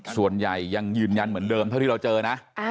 ส่วนใหญ่ยังยืนยันเหมือนเดิมเท่าที่เราเจอนะ